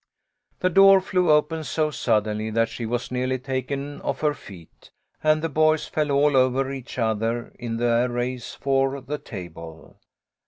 The door flew open so suddenly that she was nearly taken off her feet, and the boys fell all over each other in their race for the table.